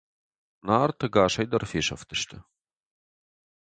Нарт ӕгасӕй дӕр фесӕфтысты.